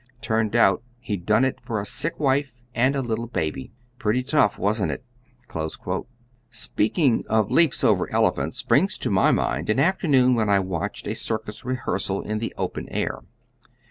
Turned out he'd done it for a sick wife and a little baby. Pretty tough, wasn't it?" Speaking of leaps over elephants brings to my mind an afternoon when I watched a circus rehearsal in the open air.